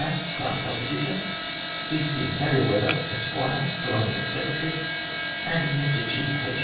Crown Prosecutor ; E. C. Merewether, Esq., Colonial Secretary; Mr G. H.